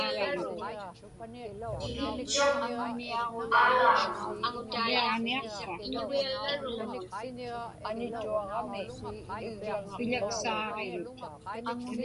Tikitchuq Aalaagmun.